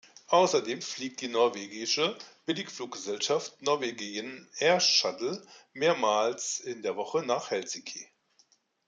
Außerdem fliegt die norwegische Billigfluggesellschaft Norwegian Air Shuttle mehrmals in der Woche nach Helsinki.